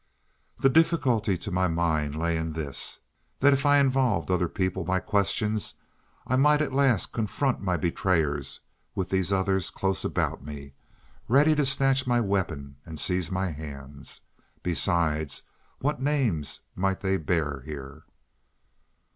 The difficulty to my mind lay in this, that if I involved other people by questions, I might at last confront my betrayers with these others close about me, ready to snatch my weapon and seize my hands. Besides, what names might they bear here?